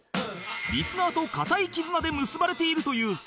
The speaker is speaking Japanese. リスナーと固い絆で結ばれているという三四郎